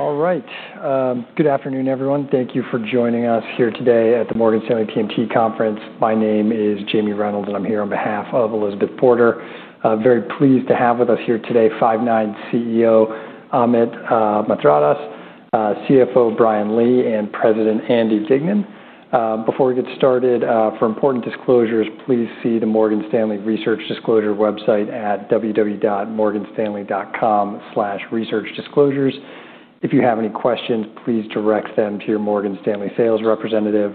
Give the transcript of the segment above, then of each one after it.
All right. Good afternoon, everyone. Thank you for joining us here today at the Morgan Stanley TMT Conference. My name is Jamie Reynolds. I'm here on behalf of Elizabeth Porter. Very pleased to have with us here today Five9 CEO, Amit Mathradas, CFO, Bryan Lee, and President, Andy Dignan. Before we get started, for important disclosures, please see the Morgan Stanley Research Disclosure website at www.morganstanley.com/researchdisclosures. If you have any questions, please direct them to your Morgan Stanley sales representative.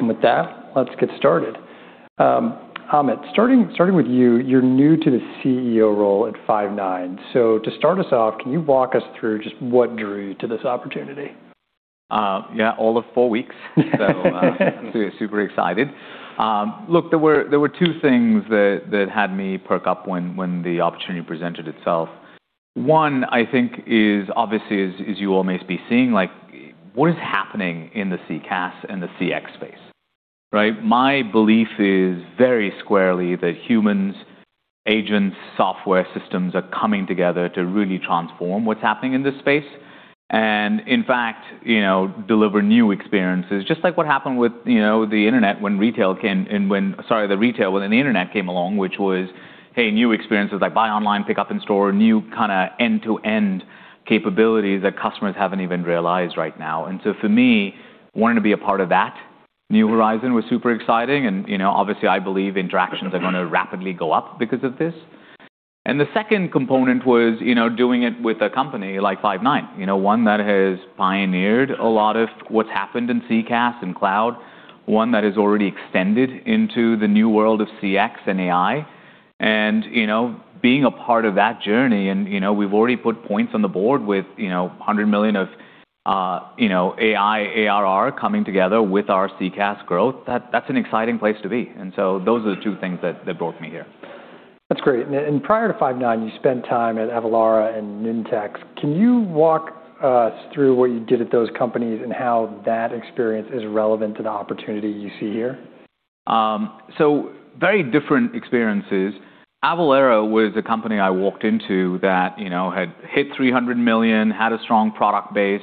With that, let's get started. Amit, starting with you're new to the CEO role at Five9. To start us off, can you walk us through just what drew you to this opportunity? Yeah, all of four weeks. Super excited. Look, there were two things that had me perk up when the opportunity presented itself. One, I think is obviously as you all may be seeing, like what is happening in the CCaaS and the CX space, right? My belief is very squarely that humans, agents, software systems are coming together to really transform what's happening in this space. In fact, you know, deliver new experiences, just like what happened with, you know, the internet when retail when the internet came along, which was, hey, new experiences like buy online, pick up in store, new kinda end-to-end capabilities that customers haven't even realized right now. For me, wanting to be a part of that new horizon was super exciting and, you know, obviously I believe interactions are gonna rapidly go up because of this. The second component was, you know, doing it with a company like Five9. You know, one that has pioneered a lot of what's happened in CCaaS and cloud, one that has already extended into the new world of CX and AI. Being a part of that journey and, you know, we've already put points on the board with, you know, $100 million of, you know, AI, ARR coming together with our CCaaS growth, that's an exciting place to be. Those are the two things that brought me here. That's great. Prior to Five9, you spent time at Avalara and Nintex. Can you walk us through what you did at those companies and how that experience is relevant to the opportunity you see here? Very different experiences. Avalara was a company I walked into that, you know, had hit $300 million, had a strong product base,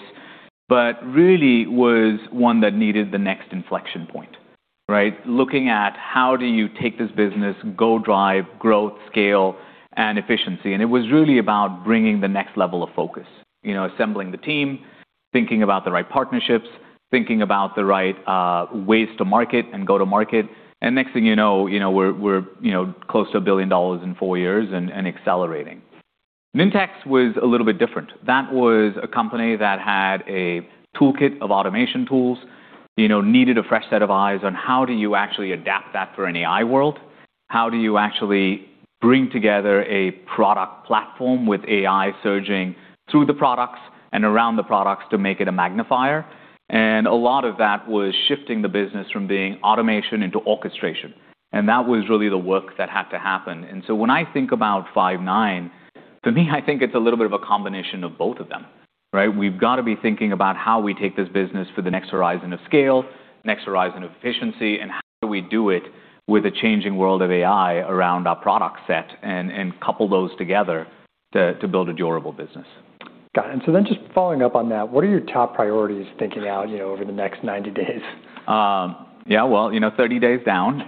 but really was one that needed the next inflection point, right. Looking at how do you take this business, go drive growth, scale, and efficiency. It was really about bringing the next level of focus. You know, assembling the team, thinking about the right partnerships, thinking about the right ways to market and go to market. Next thing you know, you know, we're, you know, close to $1 billion in four years and accelerating. Nintex was a little bit different. That was a company that had a toolkit of automation tools, you know, needed a fresh set of eyes on how do you actually adapt that for an AI world. How do you actually bring together a product platform with AI surging through the products and around the products to make it a magnifier. A lot of that was shifting the business from being automation into orchestration. That was really the work that had to happen. When I think about Five9, to me, I think it's a little bit of a combination of both of them, right? We've gotta be thinking about how we take this business for the next horizon of scale, next horizon of efficiency, and how do we do it with the changing world of AI around our product set and couple those together to build a durable business. Got it. Just following up on that, what are your top priorities thinking out, you know, over the next 90 days? Yeah, well, you know, 30 days down.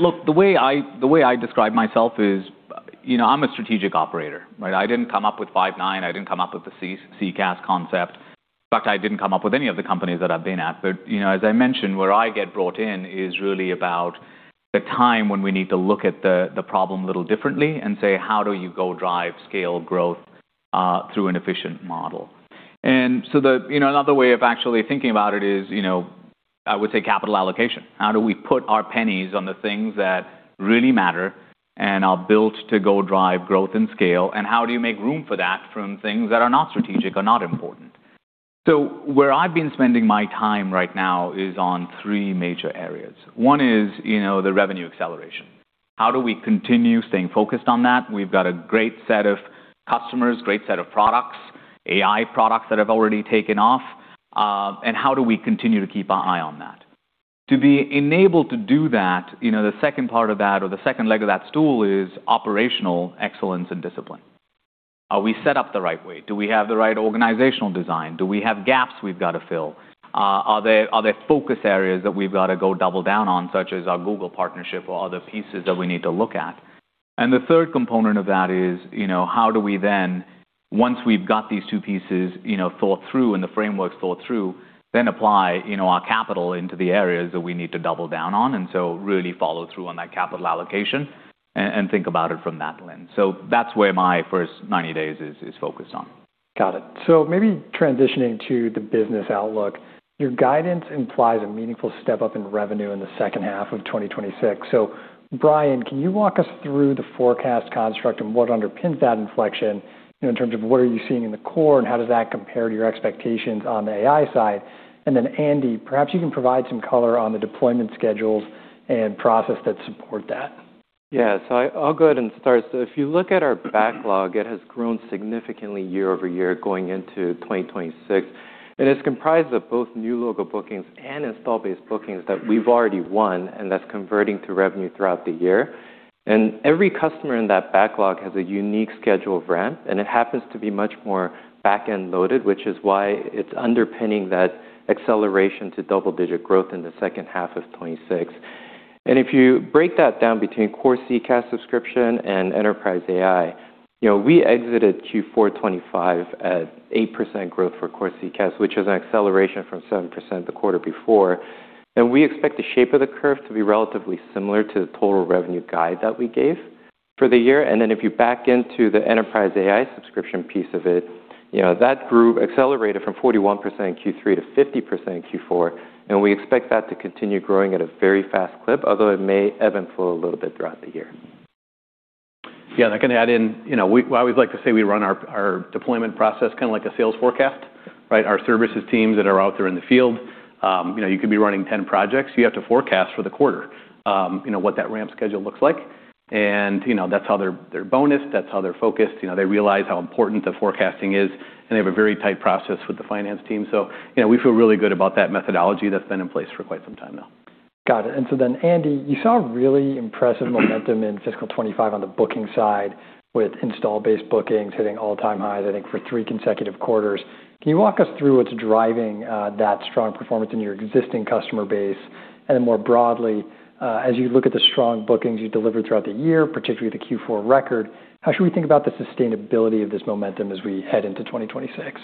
Look, the way I describe myself is, you know, I'm a strategic operator, right? I didn't come up with Five9. I didn't come up with the CCaaS concept. In fact, I didn't come up with any of the companies that I've been at. You know, as I mentioned, where I get brought in is really about the time when we need to look at the problem a little differently and say, how do you go drive scale growth through an efficient model? You know, another way of actually thinking about it is, you know, I would say capital allocation. How do we put our pennies on the things that really matter and are built to go drive growth and scale, and how do you make room for that from things that are not strategic or not important? Where I've been spending my time right now is on three major areas. One is, you know, the revenue acceleration. How do we continue staying focused on that? We've got a great set of customers, great set of products, AI products that have already taken off, and how do we continue to keep our eye on that? To be enabled to do that, you know, the second part of that or the second leg of that stool is operational excellence and discipline. Are we set up the right way? Do we have the right organizational design? Do we have gaps we've gotta fill? Are there focus areas that we've gotta go double down on, such as our Google partnership or other pieces that we need to look at? The third component of that is, you know, how do we then, once we've got these two pieces, you know, thought through and the frameworks thought through, then apply, you know, our capital into the areas that we need to double down on, really follow through on that capital allocation and think about it from that lens. That's where my first 90 days is focused on. Got it. Maybe transitioning to the business outlook. Your guidance implies a meaningful step-up in revenue in the second half of 2026. Bryan, can you walk us through the forecast construct and what underpins that inflection, you know, in terms of what are you seeing in the core and how does that compare to your expectations on the AI side? Then Andy, perhaps you can provide some color on the deployment schedules and process that support that. Yeah. I'll go ahead and start. If you look at our backlog, it has grown significantly year-over-year going into 2026. It's comprised of both new logo bookings and install-based bookings that we've already won and that's converting to revenue throughout the year. Every customer in that backlog has a unique schedule of ramp, and it happens to be much more back-end loaded, which is why it's underpinning that acceleration to double-digit growth in the second half of 2026. If you break that down between core CCaaS subscription and enterprise AI, you know, we exited Q4 2025 at 8% growth for core CCaaS, which is an acceleration from 7% the quarter before. We expect the shape of the curve to be relatively similar to the total revenue guide that we gave for the year. If you back into the enterprise AI subscription piece of it, you know, that accelerated from 41% in Q3 to 50% in Q4, and we expect that to continue growing at a very fast clip, although it may ebb and flow a little bit throughout the year. Yeah. I can add in, you know, I always like to say we run our deployment process kinda like a sales forecast, right? Our services teams that are out there in the field, you know, you could be running 10 projects. You have to forecast for the quarter, you know, what that ramp schedule looks like. You know, that's how they're bonused, that's how they're focused. You know, they realize how important the forecasting is, and they have a very tight process with the finance team. You know, we feel really good about that methodology that's been in place for quite some time now. Got it. Andy, you saw really impressive momentum in fiscal 2025 on the booking side with install-based bookings hitting all-time highs, I think, for three consecutive quarters. Can you walk us through what's driving that strong performance in your existing customer base? More broadly, as you look at the strong bookings you delivered throughout the year, particularly the Q4 record, how should we think about the sustainability of this momentum as we head into 2026?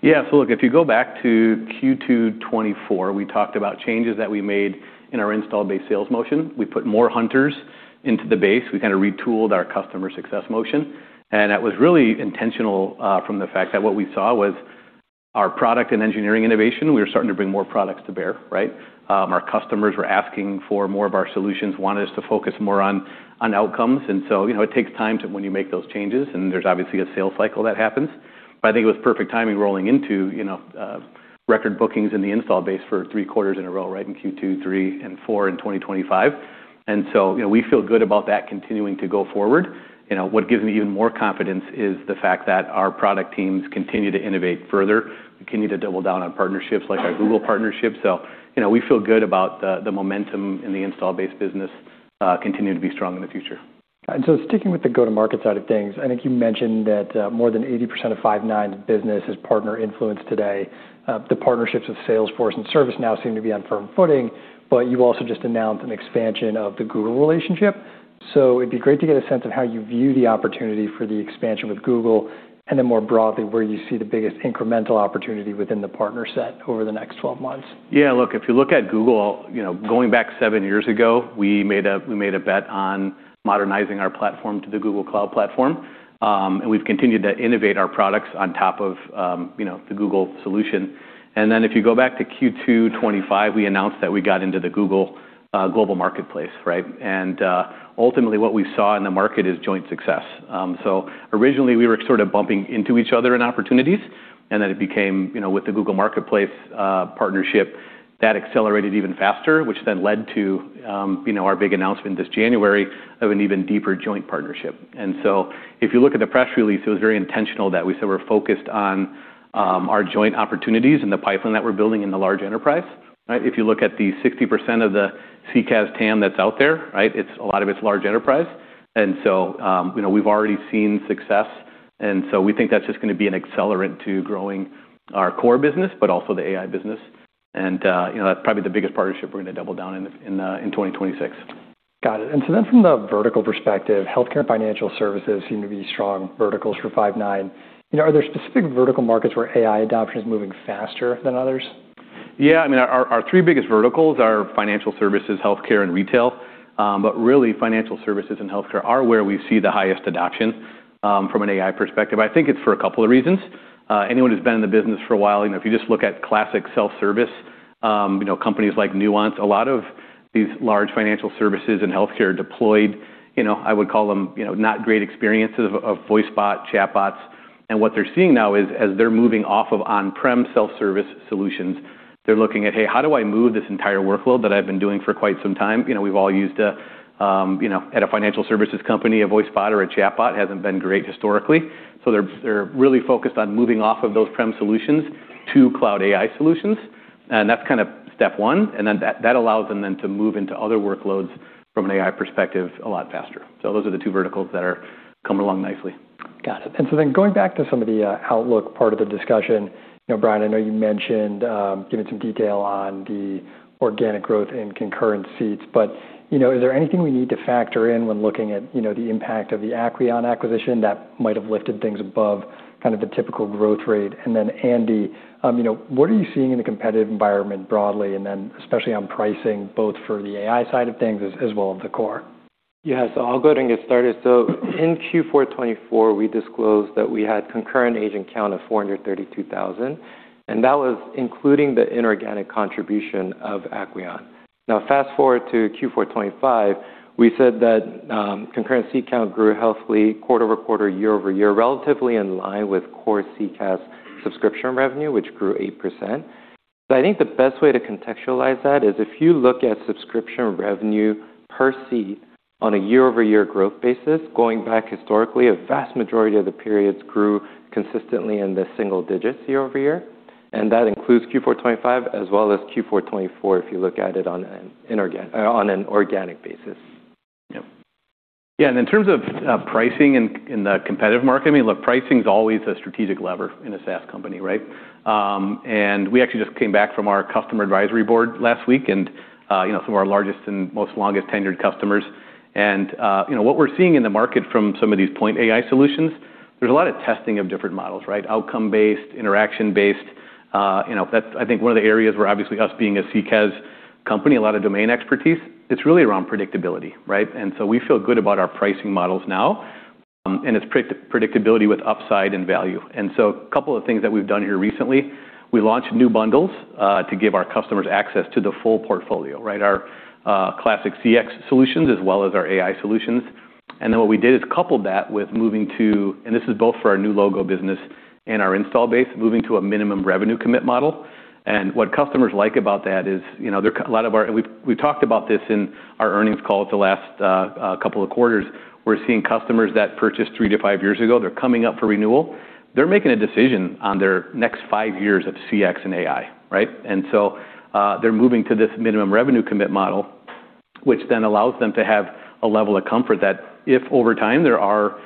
Yeah. Look, if you go back to Q2 2024, we talked about changes that we made in our install-based sales motion. We put more hunters into the base. We kinda retooled our customer success motion. That was really intentional from the fact that what we saw was our product and engineering innovation, we were starting to bring more products to bear, right? Our customers were asking for more of our solutions, wanted us to focus more on outcomes. You know, it takes time when you make those changes, there's obviously a sales cycle that happens. I think it was perfect timing rolling into, you know, record bookings in the install base for three quarters in a row, right, in Q2, Q3, and Q4 in 2025. You know, we feel good about that continuing to go forward. You know, what gives me even more confidence is the fact that our product teams continue to innovate further. We continue to double down on partnerships like our Google partnership. You know, we feel good about the momentum in the install-based business, continuing to be strong in the future. Sticking with the go-to-market side of things, I think you mentioned that, more than 80% of Five9's business is partner influenced today. The partnerships with Salesforce and ServiceNow seem to be on firm footing, but you also just announced an expansion of the Google relationship. It'd be great to get a sense of how you view the opportunity for the expansion with Google, and then more broadly, where you see the biggest incremental opportunity within the partner set over the next 12 months. Yeah. Look, if you look at Google, you know, going back seven years ago, we made a bet on modernizing our platform to the Google Cloud platform. We've continued to innovate our products on top of, you know, the Google solution. If you go back to Q2 2025, we announced that we got into the Google global Marketplace, right? Ultimately, what we saw in the market is joint success. Originally, we were sort of bumping into each other in opportunities, it became, you know, with the Google Marketplace partnership, that accelerated even faster, which then led to, you know, our big announcement this January of an even deeper joint partnership. If you look at the press release, it was very intentional that we said we're focused on our joint opportunities and the pipeline that we're building in the large enterprise, right? If you look at the 60% of the CCaaS TAM that's out there, right, a lot of it's large enterprise. You know, we've already seen success. We think that's just gonna be an accelerant to growing our core business, but also the AI business. You know, that's probably the biggest partnership we're gonna double down in 2026. Got it. From the vertical perspective, healthcare and financial services seem to be strong verticals for Five9. You know, are there specific vertical markets where AI adoption is moving faster than others? I mean, our three biggest verticals are financial services, healthcare, and retail. Really financial services and healthcare are where we see the highest adoption from an AI perspective. I think it's for a couple of reasons. Anyone who's been in the business for a while, you know, if you just look at classic self-service, you know, companies like Nuance, a lot of these large financial services and healthcare deployed, you know, I would call them, you know, not great experiences of voice bot, chatbots. What they're seeing now is as they're moving off of on-prem self-service solutions, they're looking at, "Hey, how do I move this entire workload that I've been doing for quite some time?" You know, we've all used a, you know, at a financial services company, a voice bot or a chatbot hasn't been great historically. They're really focused on moving off of those prem solutions to cloud AI solutions, and that's kind of step one. That allows them then to move into other workloads from an AI perspective a lot faster. Those are the two verticals that are coming along nicely. Got it. Going back to some of the outlook part of the discussion, you know, Bryan, I know you mentioned giving some detail on the organic growth in concurrent seats, but, you know, is there anything we need to factor in when looking at, you know, the impact of the Acqueon acquisition that might have lifted things above kind of the typical growth rate? Then, Andy, you know, what are you seeing in the competitive environment broadly, and then especially on pricing, both for the AI side of things as well as the core? I'll go ahead and get started. In Q4 2024, we disclosed that we had concurrent agent count of 432,000, and that was including the inorganic contribution of Acqueon. Fast-forward to Q4 2025, we said that concurrent seat count grew healthily quarter-over-quarter, year-over-year, relatively in line with core CCaaS subscription revenue, which grew 8%. I think the best way to contextualize that is if you look at subscription revenue per seat on a year-over-year growth basis, going back historically, a vast majority of the periods grew consistently in the single digits year-over-year, and that includes Q4 2025 as well as Q4 2024, if you look at it on an organic basis. Yeah. Yeah, in terms of pricing in the competitive market, I mean, look, pricing's always a strategic lever in a SaaS company, right? We actually just came back from our Customer Advisory Board last week, and, you know, some of our largest and most longest tenured customers. You know, what we're seeing in the market from some of these point AI solutions, there's a lot of testing of different models, right? Outcome-based, interaction-based, you know. That's, I think, one of the areas where obviously us being a CCaaS company, a lot of domain expertise, it's really around predictability, right? We feel good about our pricing models now, and its predictability with upside and value. Couple of things that we've done here recently, we launched new bundles to give our customers access to the full portfolio, right? Our classic CX solutions as well as our AI solutions. What we did is coupled that with moving to, and this is both for our new logo business and our install base, moving to a minimum revenue commit model. What customers like about that is, you know, We've talked about this in our earnings calls the last couple of quarters. We're seeing customers that purchased three to five years ago, they're coming up for renewal. They're making a decision on their next five years of CX and AI, right? They're moving to this minimum revenue commit model, which then allows them to have a level of comfort that if over time there are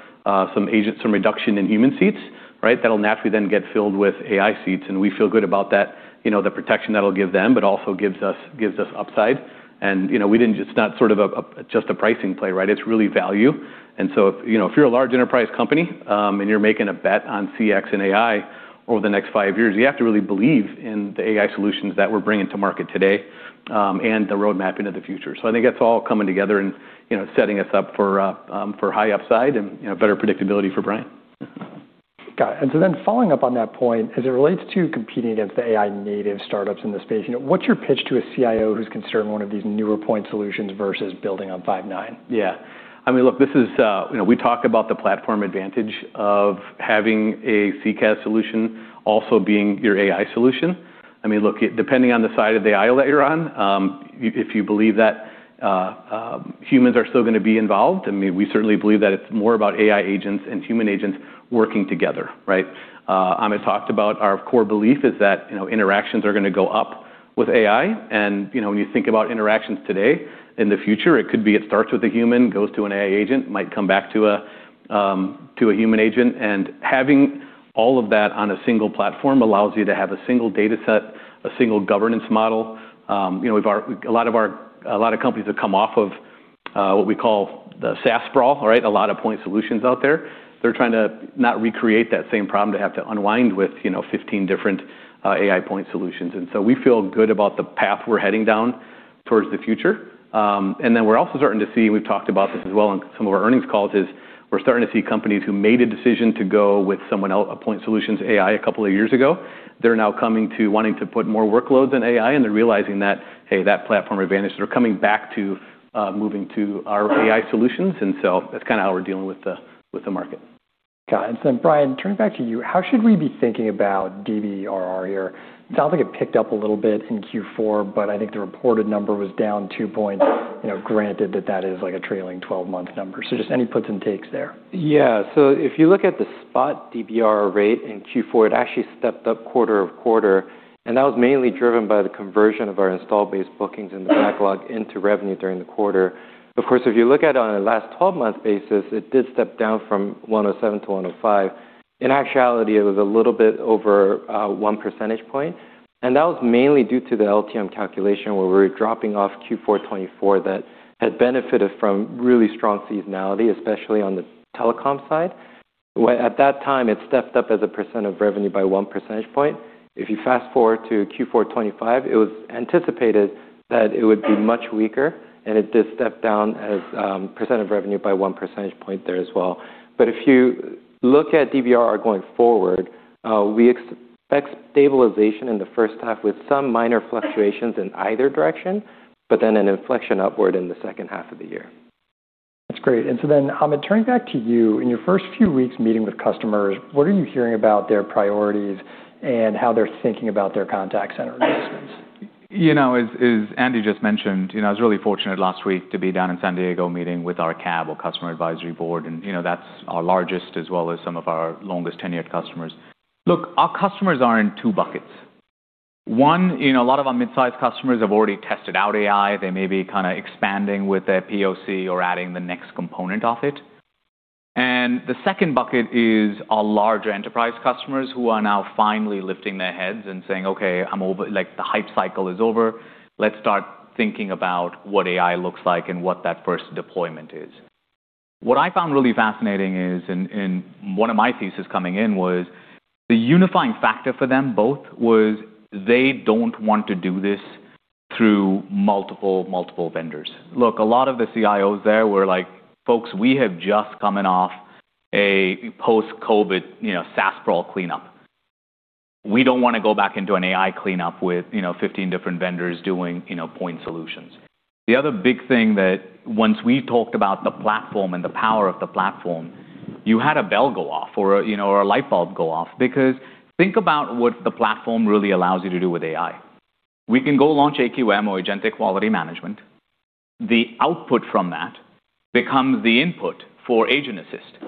some reduction in human seats, right, that'll naturally then get filled with AI seats. We feel good about that, you know, the protection that'll give them, but also gives us, gives us upside. You know, we didn't It's not sort of a just a pricing play, right? It's really value. You know, if you're a large enterprise company, and you're making a bet on CX and AI over the next five years, you have to really believe in the AI solutions that we're bringing to market today, and the roadmap into the future. I think that's all coming together and, you know, setting us up for high upside and, you know, better predictability for Bryan. Got it. Following up on that point, as it relates to competing against the AI native startups in the space, you know, what's your pitch to a CIO who's considering one of these newer point solutions versus building on Five9? Yeah. I mean, look, this is, you know, we talk about the platform advantage of having a CCaaS solution also being your AI solution. I mean, look, depending on the side of the aisle that you're on, if you believe that, humans are still gonna be involved, I mean, we certainly believe that it's more about AI Agents and human agents working together, right? Amit talked about our core belief is that, you know, interactions are gonna go up with AI. You know, when you think about interactions today, in the future, it could be it starts with a human, goes to an AI Agent, might come back to a, to a human agent. Having all of that on a single platform allows you to have a single data set, a single governance model. you know, we've a lot of our companies have come off of what we call the SaaS sprawl, right? A lot of point solutions out there. They're trying to not recreate that same problem to have to unwind with, you know, 15 different AI point solutions. We feel good about the path we're heading down towards the future. We're also starting to see, we've talked about this as well on some of our earnings calls, is we're starting to see companies who made a decision to go with someone else a point solutions AI a couple of years ago. They're now coming to wanting to put more workloads in AI, and they're realizing that, hey, that platform advantage. They're coming back to, moving to our AI solutions, and so that's kinda how we're dealing with the, with the market. Got it. Bryan, turning back to you, how should we be thinking about DBRR here? Sounds like it picked up a little bit in Q4, I think the reported number was down 2 points, you know, granted that that is like a trailing 12-month number. Just any puts and takes there. If you look at the spot DBR rate in Q4, it actually stepped up quarter-over-quarter, and that was mainly driven by the conversion of our install-based bookings in the backlog into revenue during the quarter. Of course, if you look at it on a last 12 month basis, it did step down from 107% to 105%. In actuality, it was a little bit over 1 percentage point, and that was mainly due to the LTM calculation, where we're dropping off Q4 2024 that had benefited from really strong seasonality, especially on the telecom side. Where at that time, it stepped up as a % of revenue by 1 percentage point. If you fast-forward to Q4 2025, it was anticipated that it would be much weaker, and it did step down as % of revenue by 1 percentage point there as well. If you look at DBRR going forward, we expect stabilization in the first half with some minor fluctuations in either direction, but then an inflection upward in the second half of the year. That's great. Amit, turning back to you, in your first few weeks meeting with customers, what are you hearing about their priorities and how they're thinking about their contact center investments? You know, as Andy just mentioned, you know, I was really fortunate last week to be down in San Diego meeting with our CAB, or Customer Advisory Board, you know, that's our largest as well as some of our longest tenured customers. Look, our customers are in two buckets. One, you know, a lot of our mid-sized customers have already tested out AI. They may be kinda expanding with their POC or adding the next component of it. The second bucket is our larger enterprise customers who are now finally lifting their heads and saying, "Okay, like, the hype cycle is over. Let's start thinking about what AI looks like and what that first deployment is." What I found really fascinating is, and one of my thesis coming in was, the unifying factor for them both was they don't want to do this through multiple vendors. Look, a lot of the CIOs there were like, "Folks, we have just coming off a post-COVID, you know, SaaS sprawl cleanup. We don't wanna go back into an AI cleanup with, you know, 15 different vendors doing, you know, point solutions. The other big thing that once we talked about the platform and the power of the platform, you had a bell go off or, you know, or a light bulb go off because think about what the platform really allows you to do with AI. We can go launch AQM or Agentic Quality Management. The output from that becomes the input for Agent Assist,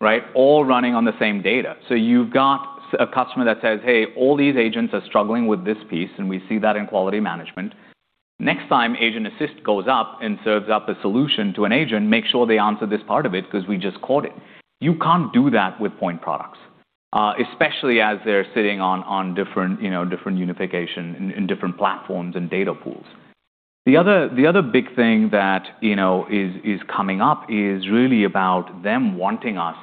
right? All running on the same data. You've got a customer that says, "Hey, all these agents are struggling with this piece, and we see that in Quality Management." Next time Agent Assist goes up and serves up a solution to an agent, make sure they answer this part of it because we just caught it. You can't do that with point products, especially as they're sitting on different, you know, different unification and in different platforms and data pools. The other big thing that, you know, is coming up is really about them wanting us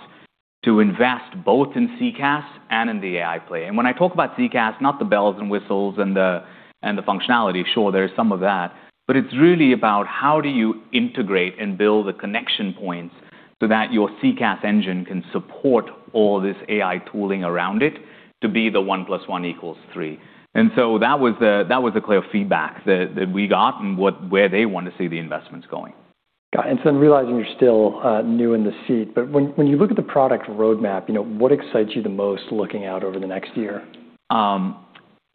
to invest both in CCaaS and in the AI play. When I talk about CCaaS, not the bells and whistles and the functionality. Sure, there is some of that, but it's really about how do you integrate and build the connection points so that your CCaaS engine can support all this AI tooling around it to be the 1 plus 1 equals 3. That was the clear feedback that we got and where they want to see the investments going. Got it. I'm realizing you're still new in the seat, but when you look at the product roadmap, you know, what excites you the most looking out over the next year?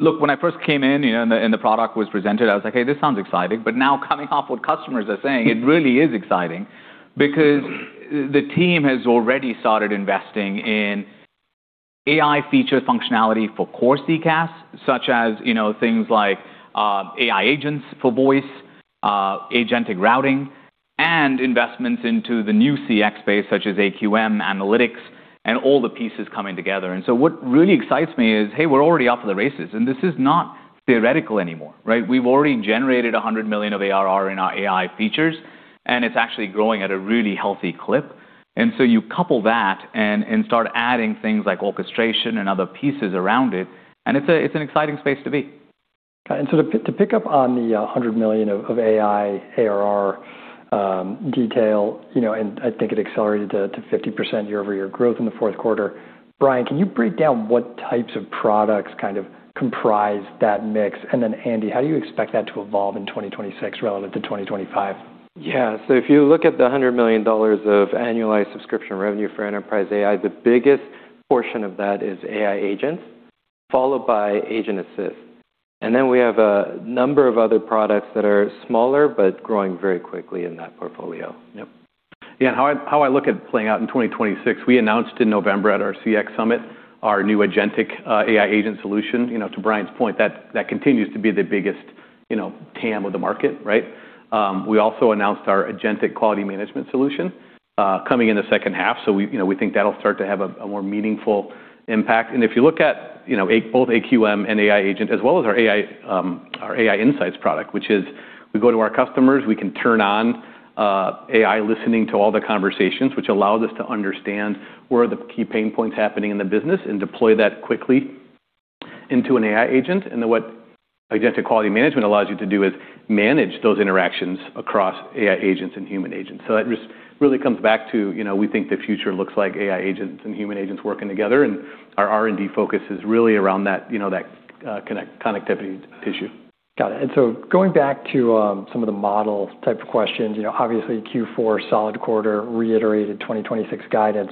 Look, when I first came in, you know, and the product was presented, I was like, "Hey, this sounds exciting." Now coming off what customers are saying, it really is exciting because the team has already started investing in AI feature functionality for core CCaaS, such as, you know, things like AI Agents for voice, agentic routing, and investments into the new CX space, such as AQM, analytics, and all the pieces coming together. What really excites me is, hey, we're already off to the races, and this is not theoretical anymore, right? We've already generated $100 million of ARR in our AI features, and it's actually growing at a really healthy clip. You couple that and start adding things like orchestration and other pieces around it, and it's an exciting space to be. To pick up on the $100 million of AI ARR detail, you know, I think it accelerated to 50% year-over-year growth in the fourth quarter. Bryan, can you break down what types of products kind of comprise that mix? Andy, how do you expect that to evolve in 2026 relevant to 2025? Yeah. If you look at the $100 million of annualized subscription revenue for enterprise AI, the biggest portion of that is AI agents, followed by Agent Assist. Then we have a number of other products that are smaller, but growing very quickly in that portfolio. Yep. Yeah. How I look at it playing out in 2026, we announced in November at our CX Summit our new agentic AI agent solution. You know, to Bryan's point, that continues to be the biggest, you know, TAM of the market, right? We also announced our Agentic Quality Management solution coming in the second half. We, you know, we think that'll start to have a more meaningful impact. If you look at, you know, both AQM and AI agent as well as our AI Insights product, which is we go to our customers, we can turn on AI listening to all the conversations, which allows us to understand where the key pain points happening in the business and deploy that quickly into an AI agent. What Agentic Quality Management allows you to do is manage those interactions across AI agents and human agents. That just really comes back to, you know, we think the future looks like AI agents and human agents working together, and our R&D focus is really around that, you know, that connectivity issue. Got it. Going back to, some of the model type of questions, you know, obviously Q4 solid quarter reiterated 2026 guidance.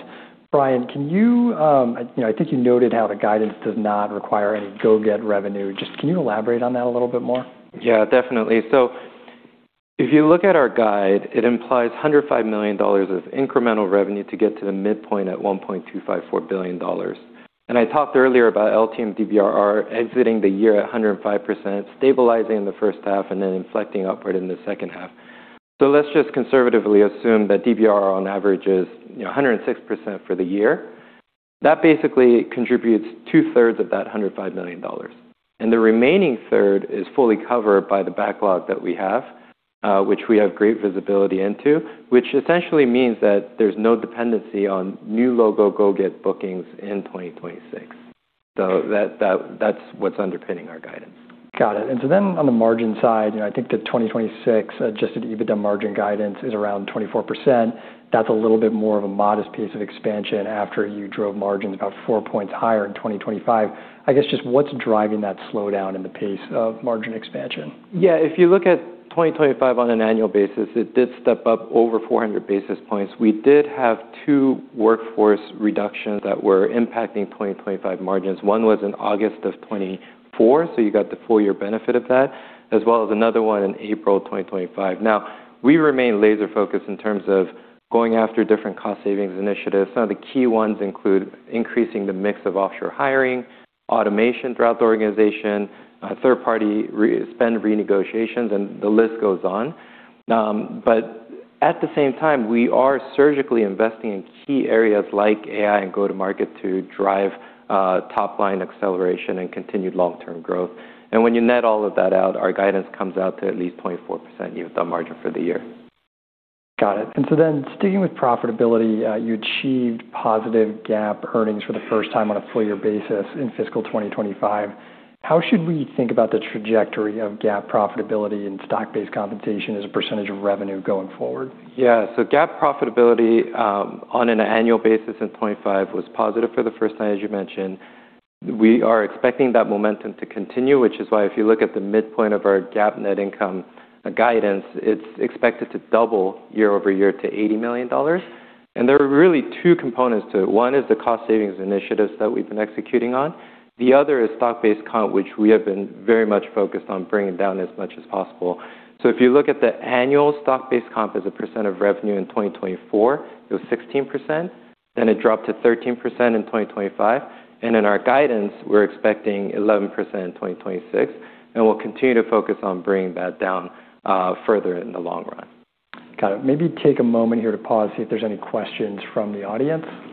Bryan, can you know, I think you noted how the guidance does not require any go get revenue. Just can you elaborate on that a little bit more? Yeah, definitely. If you look at our guide, it implies $105 million of incremental revenue to get to the midpoint at $1.254 billion. I talked earlier about LTM DBRR exiting the year at 105%, stabilizing in the first half, and then inflecting upward in the second half. Let's just conservatively assume that DBRR on average is, you know, 106% for the year. That basically contributes 2/3 of that $105 million. The remaining third is fully covered by the backlog that we have, which we have great visibility into, which essentially means that there's no dependency on new logo go get bookings in 2026. That's what's underpinning our guidance. Got it. On the margin side, you know, I think the 2026 Adjusted EBITDA margin guidance is around 24%. That's a little bit more of a modest pace of expansion after you drove margins about 4 points higher in 2025. I guess, just what's driving that slowdown in the pace of margin expansion? If you look at 2025 on an annual basis, it did step up over 400 basis points. We did have two workforce reductions that were impacting 2025 margins. One was in August of 2024, so you got the full year benefit of that, as well as another one in April of 2025. We remain laser-focused in terms of going after different cost savings initiatives. Some of the key ones include increasing the mix of offshore hiring, automation throughout the organization, third party spend renegotiations, and the list goes on. At the same time, we are surgically investing in key areas like AI and go-to-market to drive top-line acceleration and continued long-term growth. When you net all of that out, our guidance comes out to at least 24% EBITDA margin for the year. Got it. Sticking with profitability, you achieved positive GAAP earnings for the first time on a full year basis in fiscal 2025. How should we think about the trajectory of GAAP profitability and stock-based compensation as a % of revenue going forward? Yeah. GAAP profitability, on an annual basis in 2025 was positive for the first time, as you mentioned. We are expecting that momentum to continue, which is why if you look at the midpoint of our GAAP net income guidance, it's expected to double year-over-year to $80 million. There are really two components to it. One is the cost savings initiatives that we've been executing on. The other is stock-based comp, which we have been very much focused on bringing down as much as possible. If you look at the annual stock-based comp as a percent of revenue in 2024, it was 16%, then it dropped to 13% in 2025. In our guidance, we're expecting 11% in 2026, and we'll continue to focus on bringing that down further in the long run. Got it. Maybe take a moment here to pause, see if there's any questions from the audience. Okay.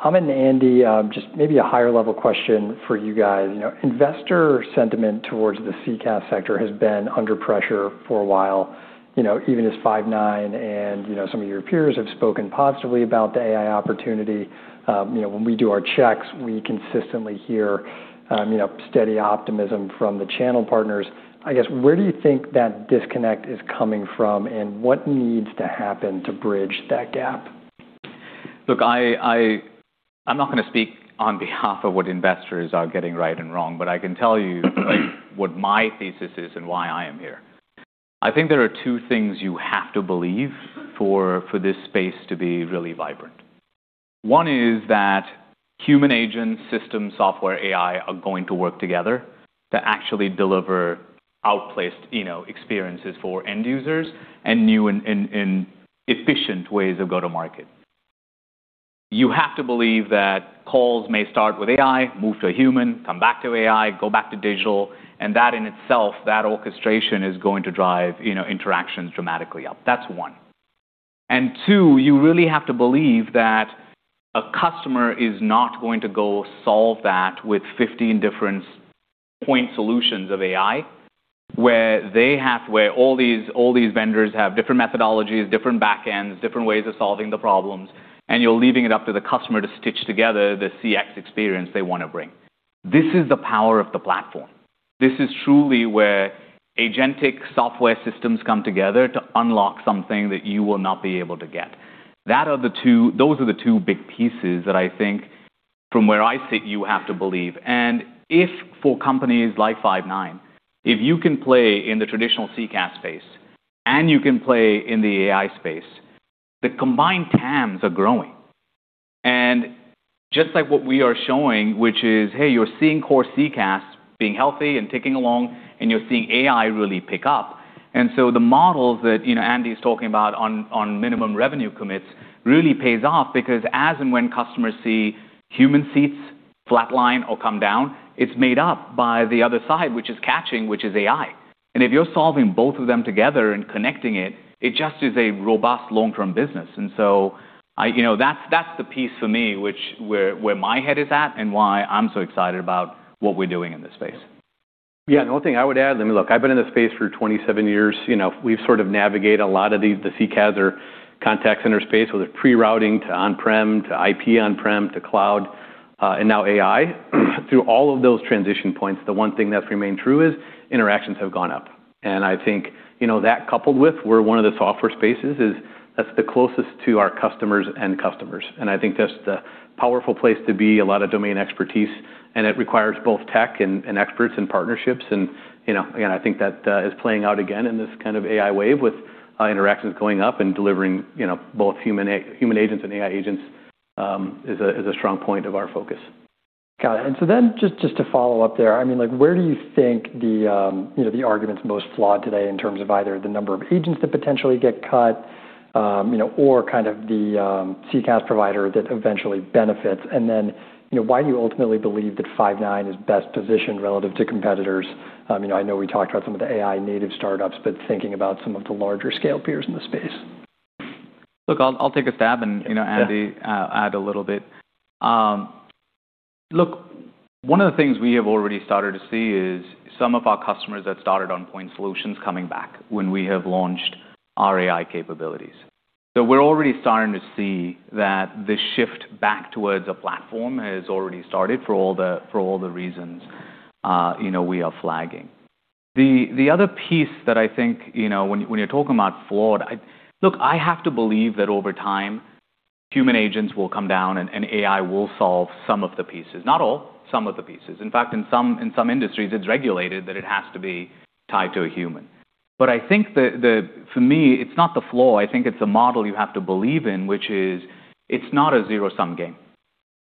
Amit and Andy, just maybe a higher level question for you guys. You know, investor sentiment towards the CCaaS sector has been under pressure for a while, you know, even as Five9 and, you know, some of your peers have spoken positively about the AI opportunity. You know, when we do our checks, we consistently hear, you know, steady optimism from the channel partners. I guess, where do you think that disconnect is coming from, and what needs to happen to bridge that gap? Look, I'm not gonna speak on behalf of what investors are getting right and wrong, but I can tell you what my thesis is and why I am here. I think there are two things you have to believe for this space to be really vibrant. One is that human agents, systems, software, AI are going to work together to actually deliver outplaced, you know, experiences for end users and new and efficient ways of go-to-market. You have to believe that calls may start with AI, move to a human, come back to AI, go back to digital, and that in itself, that orchestration is going to drive, you know, interactions dramatically up. That's one. Two, you really have to believe that a customer is not going to go solve that with 15 different point solutions of AI, where all these vendors have different methodologies, different backends, different ways of solving the problems, and you're leaving it up to the customer to stitch together the CX experience they wanna bring. This is the power of the platform. This is truly where agentic software systems come together to unlock something that you will not be able to get. Those are the two big pieces that I think from where I sit, you have to believe. If for companies like Five9, if you can play in the traditional CCaaS space and you can play in the AI space, the combined TAMs are growing. Just like what we are showing, which is, hey, you're seeing core CCaaS being healthy and ticking along, and you're seeing AI really pick up. The models that, you know, Andy's talking about on minimum revenue commits really pays off because as and when customers see human seats flatline or come down, it's made up by the other side, which is catching, which is AI. If you're solving both of them together and connecting it just is a robust long-term business. I, you know, that's the piece for me, which where my head is at and why I'm so excited about what we're doing in this space. The only thing I would add, I mean, look, I've been in this space for 27 years. You know, we've sort of navigate a lot of these the CCaaS contact center space, whether pre-routing to on-prem, to IP on-prem, to cloud, and now AI. Through all of those transition points, the one thing that's remained true is interactions have gone up. I think, you know, that coupled with we're one of the software spaces is that's the closest to our customers end customers. I think that's the powerful place to be, a lot of domain expertise, and it requires both tech and experts and partnerships and, you know. I think that is playing out again in this kind of AI wave with interactions going up and delivering, you know, both human agents and AI agents is a strong point of our focus. Got it. Just to follow up there, I mean, like, where do you think the, you know, the argument's most flawed today in terms of either the number of agents that potentially get cut, you know, or kind of the, CCaaS provider that eventually benefits? You know, why do you ultimately believe that Five9 is best positioned relative to competitors? You know, I know we talked about some of the AI native startups, but thinking about some of the larger scale peers in the space. Look, I'll take a stab and, you know, Andy, add a little bit. Look, one of the things we have already started to see is some of our customers that started on point solutions coming back when we have launched our AI capabilities. We're already starting to see that the shift back towards a platform has already started for all the reasons, you know, we are flagging. The other piece that I think, you know, when you're talking about flawed, look, I have to believe that over time, human agents will come down and AI will solve some of the pieces, not all, some of the pieces. In fact, in some industries, it's regulated that it has to be tied to a human. I think for me, it's not the flaw, I think it's a model you have to believe in, which is it's not a zero-sum game,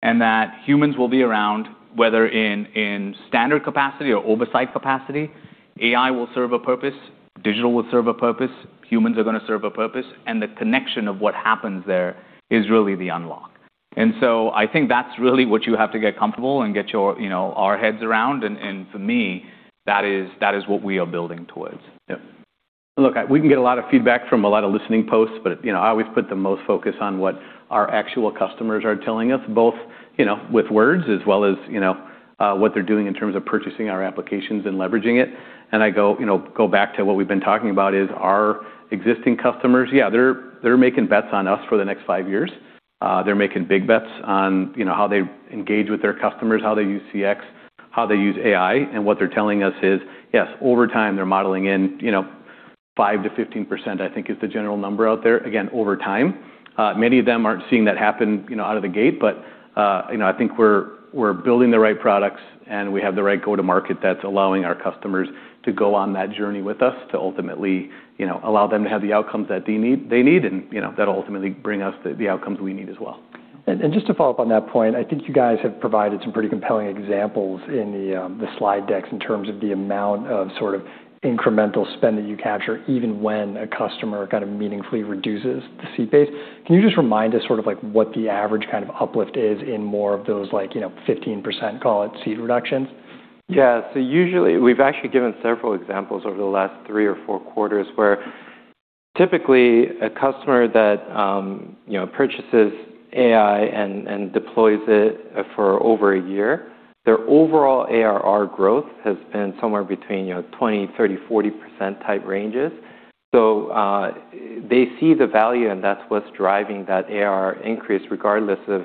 and that humans will be around, whether in standard capacity or oversight capacity. AI will serve a purpose, digital will serve a purpose, humans are gonna serve a purpose, and the connection of what happens there is really the unlock. I think that's really what you have to get comfortable and get your, you know, our heads around. For me, that is what we are building towards. Yeah. Look, we can get a lot of feedback from a lot of listening posts, but, you know, I always put the most focus on what our actual customers are telling us, both, you know, with words as well as, you know, what they're doing in terms of purchasing our applications and leveraging it. I go, you know, go back to what we've been talking about is our existing customers. They're making bets on us for the next five years. They're making big bets on, you know, how they engage with their customers, how they use CX. How they use AI, and what they're telling us is, yes, over time, they're modeling in, you know, 5%-15%, I think, is the general number out there, again, over time. Many of them aren't seeing that happen, you know, out of the gate, but, you know, I think we're building the right products and we have the right go-to-market that's allowing our customers to go on that journey with us to ultimately, you know, allow them to have the outcomes that they need and, you know, that'll ultimately bring us the outcomes we need as well. Just to follow up on that point, I think you guys have provided some pretty compelling examples in the slide decks in terms of the amount of sort of incremental spend that you capture, even when a customer kind of meaningfully reduces the seat base. Can you just remind us sort of like what the average kind of uplift is in more of those like, you know, 15%, call it, seat reductions? Yeah. Usually we've actually given several examples over the last three or four quarters where typically a customer that, you know, purchases AI and deploys it for over a year, their overall ARR growth has been somewhere between, you know, 20%, 30%, 40% type ranges. They see the value, and that's what's driving that ARR increase regardless of,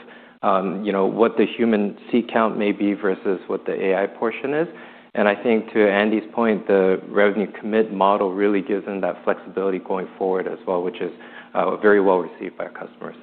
you know, what the human seat count may be versus what the AI portion is. I think to Andy's point, the revenue commit model really gives them that flexibility going forward as well, which is very well-received by our customers.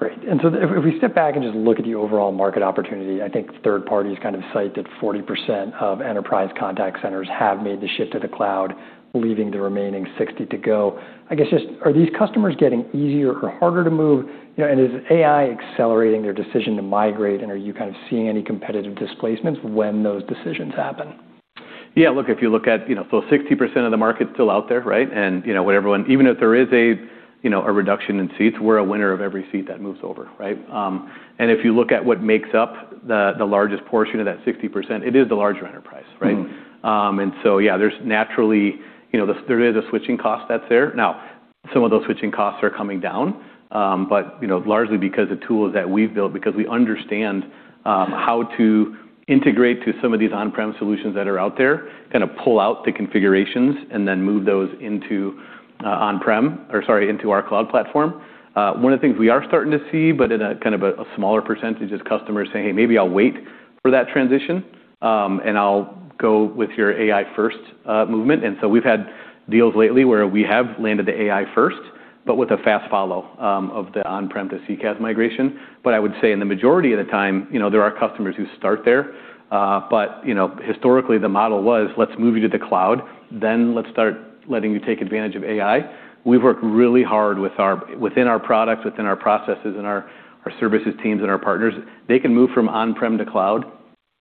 Great. If we step back and just look at the overall market opportunity, I think third parties kind of cite that 40% of enterprise contact centers have made the shift to the cloud, leaving the remaining 60% to go. I guess just are these customers getting easier or harder to move, you know, and is AI accelerating their decision to migrate? Are you kind of seeing any competitive displacements when those decisions happen? Yeah, look, if you look at, you know, so 60% of the market's still out there, right? You know, when everyone even if there is a, you know, a reduction in seats, we're a winner of every seat that moves over, right? If you look at what makes up the largest portion of that 60%, it is the larger enterprise, right? Mm-hmm. Yeah, there's naturally, you know, there is a switching cost that's there. Now, some of those switching costs are coming down, but, you know, largely because the tools that we've built, because we understand, how to integrate to some of these on-prem solutions that are out there, kinda pull out the configurations and then move those into, on-prem or, sorry, into our cloud platform. One of the things we are starting to see, but in a kind of a smaller percentage, is customers saying, "Hey, maybe I'll wait for that transition, and I'll go with your AI first, movement." We've had deals lately where we have landed the AI first, but with a fast follow, of the on-prem to CCaaS migration. I would say in the majority of the time, you know, there are customers who start there. You know, historically the model was, let's move you to the cloud, then let's start letting you take advantage of AI. We've worked really hard within our products, within our processes and our services teams and our partners. They can move from on-prem to cloud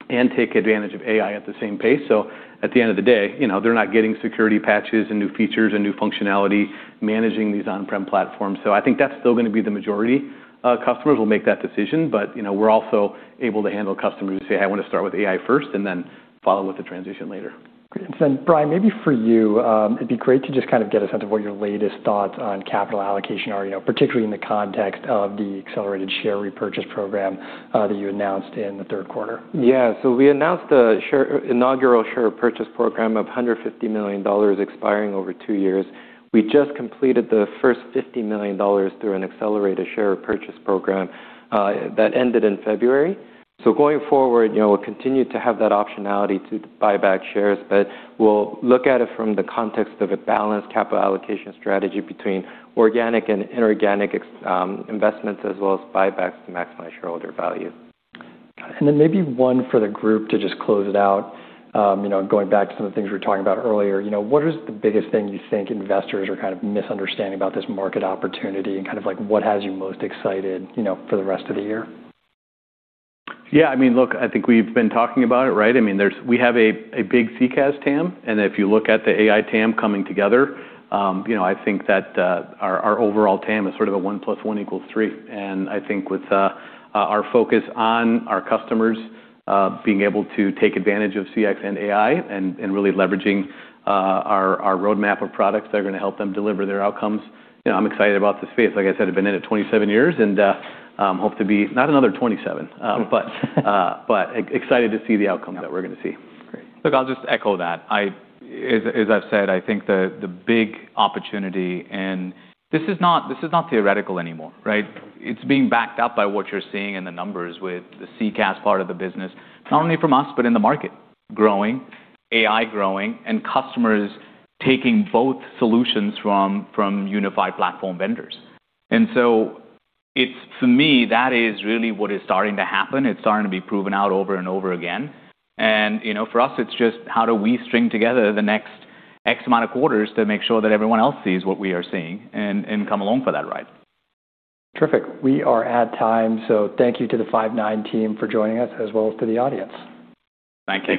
and take advantage of AI at the same pace. At the end of the day, you know, they're not getting security patches and new features and new functionality managing these on-prem platforms. I think that's still gonna be the majority, customers will make that decision. You know, we're also able to handle customers who say, "Hey, I wanna start with AI first and then follow with the transition later. Great. Brian, maybe for you, it'd be great to just kind of get a sense of what your latest thoughts on capital allocation are, you know, particularly in the context of the accelerated share repurchase program that you announced in the third quarter. Yeah. We announced the inaugural share purchase program of $150 million expiring over two years. We just completed the first $50 million through an accelerated share purchase program that ended in February. Going forward, you know, we'll continue to have that optionality to buy back shares, but we'll look at it from the context of a balanced capital allocation strategy between organic and inorganic investments as well as buybacks to maximize shareholder value. Maybe one for the group to just close it out. You know, going back to some of the things we were talking about earlier, you know, what is the biggest thing you think investors are kind of misunderstanding about this market opportunity and kind of like what has you most excited, you know, for the rest of the year? Yeah, I mean, look, I think we've been talking about it, right? I mean, we have a big CCaaS TAM, and if you look at the AI TAM coming together, you know, I think that our overall TAM is sort of a 1 plus 1 equals 3. I think with our focus on our customers, being able to take advantage of CX and AI and really leveraging our roadmap of products that are gonna help them deliver their outcomes. You know, I'm excited about the space. Like I said, I've been in it 27 years and hope to be not another 27, but excited to see the outcome that we're gonna see. Great. Look, I'll just echo that. As I've said, I think the big opportunity, this is not theoretical anymore, right? It's being backed up by what you're seeing in the numbers with the CCaaS part of the business, not only from us, but in the market growing, AI growing, and customers taking both solutions from unified platform vendors. It's, for me, that is really what is starting to happen. It's starting to be proven out over and over again. You know, for us, it's just how do we string together the next X amount of quarters to make sure that everyone else sees what we are seeing and come along for that ride. Terrific. We are at time, so thank you to the Five9 team for joining us, as well as to the audience. Thank you.